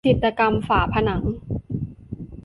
จิตกรรมฝาผนัง